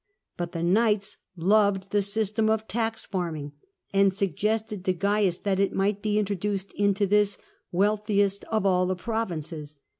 But the knights loved the system of tax farming, and suggested to Gains that it might be introduced into this wealthiest of all the provinces.